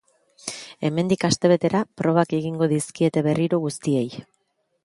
Hemendik astebetera probak egingo dizkiete berriro guztiei.